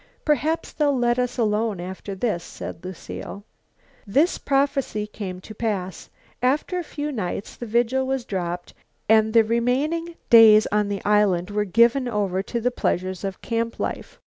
"Perhaps they'll let us alone after this," said Lucile. This prophecy came to pass. After a few nights the vigil was dropped and the remaining days on the island were given over to the pleasures of camp life.